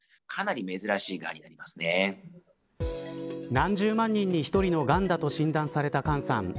何十万人に一人のがんだと診断されたＫＡＮさん。